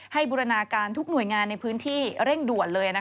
บูรณาการทุกหน่วยงานในพื้นที่เร่งด่วนเลย